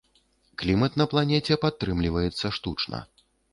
Клімат на планеце падтрымліваецца штучна.